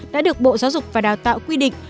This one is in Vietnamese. đã được bộ giáo dục và đào tạo quy định